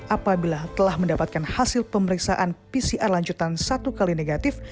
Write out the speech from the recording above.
apabila telah mendapatkan hasil pemeriksaan pcr lanjutan satu kali negatif